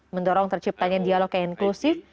mendorong terciptanya dialog yang inklusif